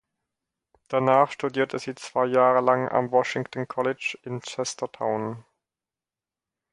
Danach studierte sie zwei Jahre lang am "Washington College" in Chestertown.